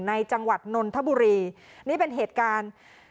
จังหวัดนนทบุรีนี่เป็นเหตุการณ์